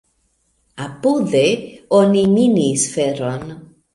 Apude oni minis feron.